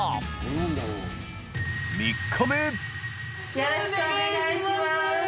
よろしくお願いします。